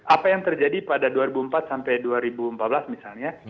apa yang terjadi pada dua ribu empat sampai dua ribu empat belas misalnya